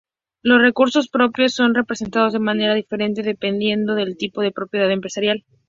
Los recursos propios son representados de manera diferente dependiendo del tipo de propiedad empresarial.